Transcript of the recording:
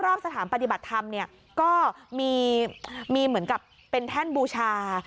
รอบสถานปฏิบัติธรรมเนี่ยก็มีเหมือนกับเป็นแท่นบูชา